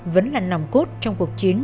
vẫn là nòng cốt trong cuộc chiến